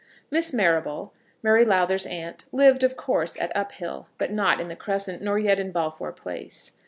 Miss Marrable, Mary Lowther's aunt, lived, of course, at Uphill; but not in the Crescent, nor yet in Balfour Place.